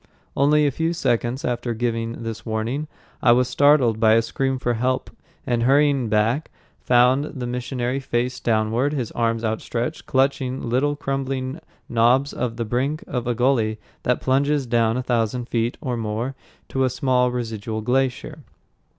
Only a few seconds after giving this warning, I was startled by a scream for help, and hurrying back, found the missionary face downward, his arms outstretched, clutching little crumbling knobs on the brink of a gully that plunges down a thousand feet or more to a small residual glacier.